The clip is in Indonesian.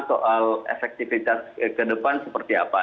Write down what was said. soal efektivitas ke depan seperti apa